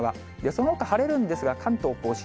そのほか晴れるんですが、関東甲信、